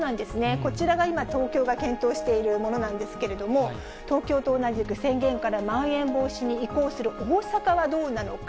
こちらが今、東京が検討しているものなんですけれども、東京と同じく、宣言からまん延防止に移行する大阪はどうなのか。